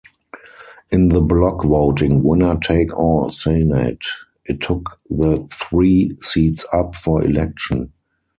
In the bloc-voting winner-take-all Senate, it took the three seats up for election.